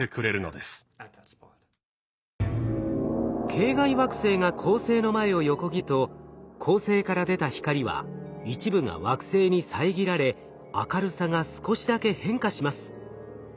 系外惑星が恒星の前を横切ると恒星から出た光は一部が惑星に遮られ明るさが少しだけ変化します。